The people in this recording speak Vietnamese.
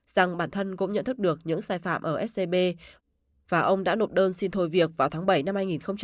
rằng bản thân cũng nhận thức được những sai phạm ở scb và ông đã nộp đơn xin thôi việc vào tháng bảy năm hai nghìn hai mươi